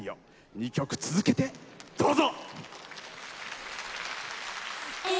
２曲続けて、どうぞ。